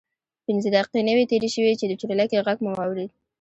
پنځه دقیقې نه وې تېرې شوې چې د چورلکې غږ مو واورېد.